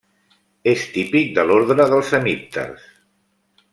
És típic de l’ordre dels hemípters.